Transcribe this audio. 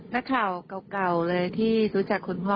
นักข่าวเก่าเลยที่รู้จักคุณพ่อ